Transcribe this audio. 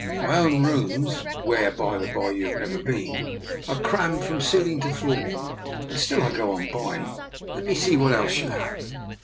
My own rooms, where, by the bye, you have never been, are crammed from ceiling to floor, and still I go on buying. Let me see what else you have."